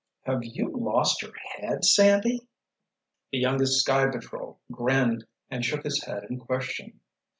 "Have you lost your head, Sandy?" The youngest Sky Patrol grinned, and shook his head in question.